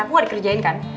aku gak dikerjain kan